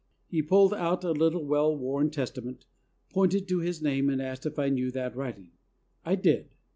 He pulled out a little, well worn Testament, pointed to his name and asked if I knew that writing. I did.